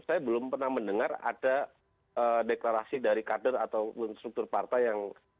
saya belum pernah mendengar ada deklarasi dari kader atau struktur partai yang